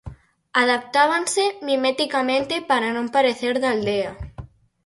Adaptábanse, mimeticamente para non parecer da aldea.